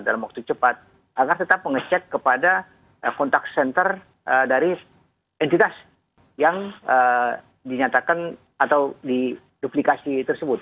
dalam waktu cepat agar tetap menge chat kepada kontak center dari identitas yang dinyatakan atau di duplikasi tersebut